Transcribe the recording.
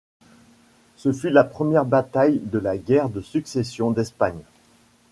Ce fut la première bataille de la guerre de Succession d'Espagne.